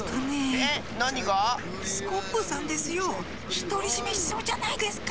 ひとりじめしそうじゃないですか。